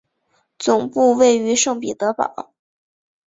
总部位于圣彼得堡。